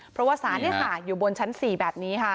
เพราะว่าสารอยู่บนชั้น๔แบบนี้ค่ะ